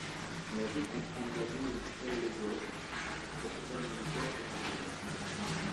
La ville comprend également l'Hôpital Legouest, hôpital militaire et civil.